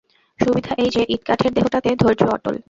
সুবিধা এই যে, ইটকাঠের দেহটাতে ধৈর্য অটল।